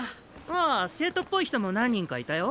ああ生徒っぽい人も何人かいたよ。